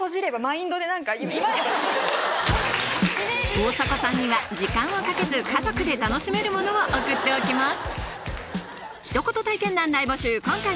大迫さんには時間をかけず家族で楽しめるものを送っておきます